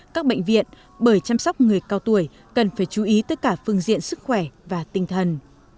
các bệnh viện bởi chăm sóc người cao tuổi cần phải chú ý tất cả phương diện sức khỏe và tinh thần